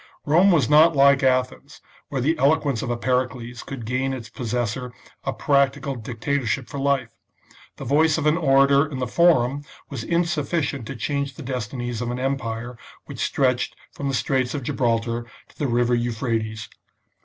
Rome was not like Athens, where the eloquence of a Pericles could gain its possessor a practical dictatorship for life ; the voice of an orator in the Forum was insufficient to change the destinies of an empire which stretched from the Straits of Gibraltar to the River Euphrates.